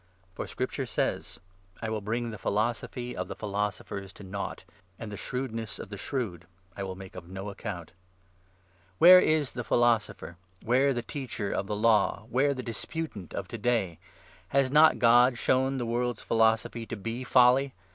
For Scripture says — 19 ' I will bring the philosophy of the philosophers to nought, And the shrewdness of the shrewd I will make of no account.' Where is the Philosopher? where the Teacher of the Law? 20 where the Disputant of to day ? Has not God shown the world's philosophy to be folly